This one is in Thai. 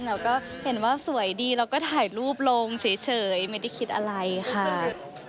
เราก็เห็นว่าสวยดีเราก็ถ่ายรูปลงเฉยไม่ได้คิดอะไรค่ะ